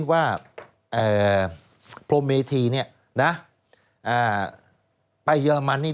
สวัสดีค่ะต้อนรับคุณบุษฎี